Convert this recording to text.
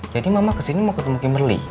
jadi mama kesini mau ketemu kimberly